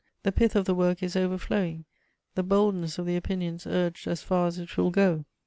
The pith of the work is overflowing, the boldness of the opinions urged as far as it will go.